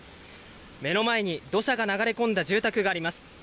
目の前に土砂が流れ込んだ住宅があります。